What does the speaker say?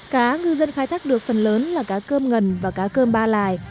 cá ngư dân khai thác được phần lớn là cá cơm ngần và cá cơm ba lại